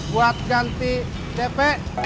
buat ganti dp